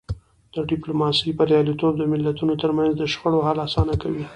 د ډیپلوماسی بریالیتوب د ملتونو ترمنځ د شخړو حل اسانه کوي.